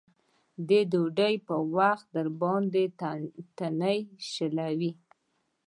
د ډوډۍ په وخت درباندې تڼۍ شلوي.